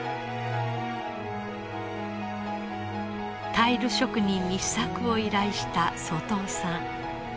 タイル職人に試作を依頼した外尾さん。